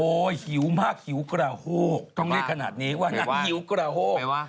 โอ้โหหิวมากหิวกระโฮกต้องเรียกขนาดนี้ว่านางหิวกระโฮก